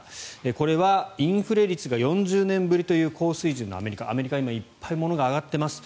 これはインフレ率が４０年ぶりという高水準のアメリカアメリカは今、いっぱい物が上がっています。